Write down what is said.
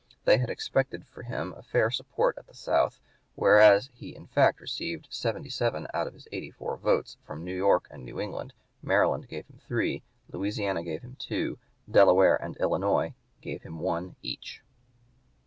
They had expected for him a fair support at the South, whereas he in fact received seventy seven out of his eighty four votes from New York and New England; Maryland gave him three, Louisiana gave him two, Delaware and Illinois gave him one each.